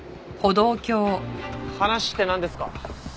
話ってなんですか？